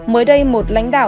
mới đây một lãnh đạo